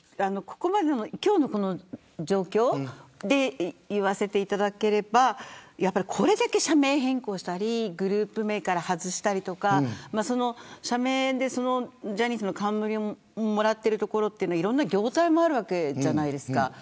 今日の状況で言わせていただくとこれだけ社名変更したりグループ名から外したり社名でジャニーズの冠をもらってるところはいろんな業態もあるわけじゃないですか。